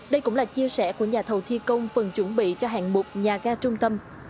đây cũng là chia sẻ của nhà thầu thi công phần chuẩn bị cho hạng mục nhà ga trung tâm